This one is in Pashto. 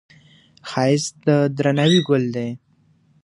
ښایست د درناوي ګل دی